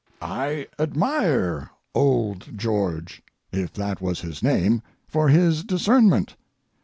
I admire old George—if that was his name—for his discernment.